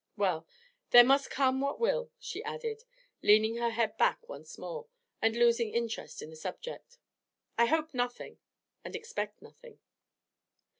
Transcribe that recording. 'Well, there must come what will,' she added, leaning her head back once more, and losing interest in the subject. 'I hope nothing and expect nothing.'